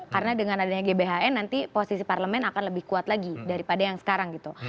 karena dengan adanya gbhn nanti posisi parlemen akan lebih kuat lagi daripada yang sekarang gitu